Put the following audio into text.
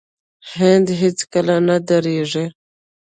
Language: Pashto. هند هیڅکله نه دریږي.